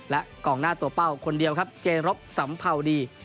และกองหน้าตัวเป้าคนเดียวครับเจรบสัมภาวดี